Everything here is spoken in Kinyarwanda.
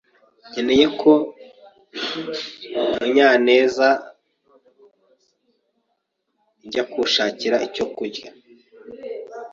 nkeneye ko Munyanezajya kunshakira icyo kurya.